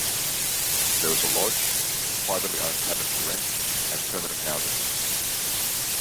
There is a lodge, privately owned cabins for rent, and permanent housing.